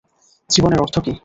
জীবনের অর্থ কী?